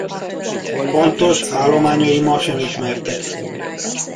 Pontos állományai ma sem ismertek.